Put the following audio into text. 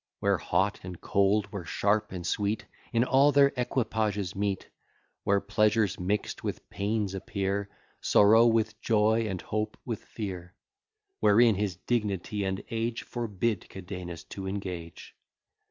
Where hot and cold, where sharp and sweet, In all their equipages meet; Where pleasures mix'd with pains appear, Sorrow with joy, and hope with fear; Wherein his dignity and age Forbid Cadenus to engage.